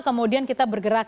kemudian kita bergerak